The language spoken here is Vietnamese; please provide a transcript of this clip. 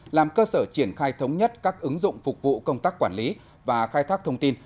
làm cơ sở triển khai thống nhất các ứng dụng phục vụ công tác quản lý và khai thác thông tin